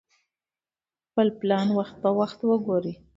خپل پلان وخت په وخت وګورئ.